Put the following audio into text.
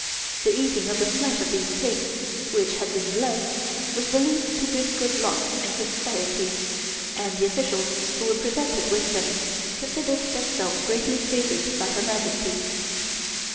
The eating of the flesh of these pigs, which had been blessed, was believed to bring good luck and prosperity, and the officials who were presented with them considered themselves greatly favored by Her Majesty.